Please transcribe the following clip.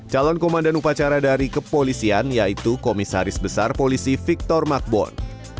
calon komandan upacara dari kepolisian yaitu komisaris besar polisi victor magbon